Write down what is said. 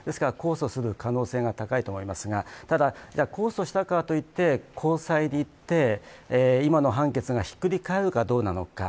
ですから、控訴する可能性が高いと思いますがただ控訴したからといって高裁に行って今の判決がひっくり返るかどうなのか。